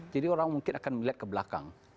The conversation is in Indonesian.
jadi orang mungkin akan melihat ke belakang